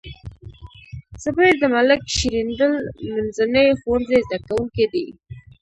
زبير د ملک شیریندل منځني ښوونځي زده کوونکی دی.